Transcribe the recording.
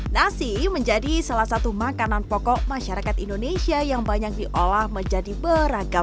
nasi menjadi salah satu makanan pokok masyarakat indonesia yang banyak diolah menjadi beragam